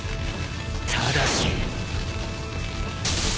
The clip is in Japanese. ただし。